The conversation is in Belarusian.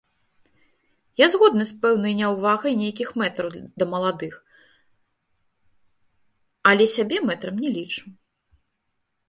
Я згодны з пэўнай няўвагай нейкіх мэтраў да маладых, але сябе мэтрам не лічу.